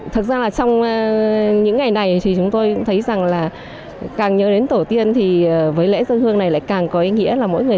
thực ra là trong những ngày này thì chúng tôi cũng thấy rằng là càng nhớ đến tổ tiên thì với lễ dân hương này lại càng có ý nghĩa là mỗi người